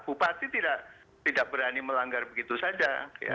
bupati tidak berani melanggar begitu saja